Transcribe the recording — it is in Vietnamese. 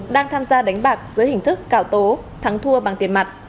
đang tham gia đánh bạc dưới hình thức cào tố thắng thua bằng tiền mặt